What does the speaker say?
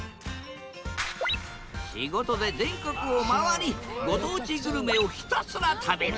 仕事で全国を回りご当地グルメをひたすら食べる。